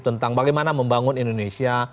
tentang bagaimana membangun indonesia